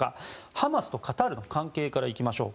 ハマスとカタールの関係から行きましょう。